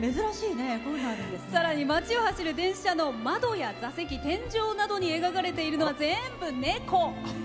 さらに町を走る電車の窓や座席天井などに描かれているのは全部、猫。